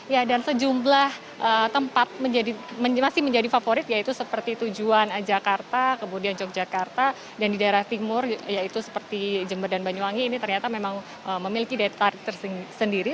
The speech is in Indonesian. ya dan sejumlah tempat masih menjadi favorit yaitu seperti tujuan jakarta kemudian yogyakarta dan di daerah timur yaitu seperti jember dan banyuwangi ini ternyata memang memiliki daya tarik tersendiri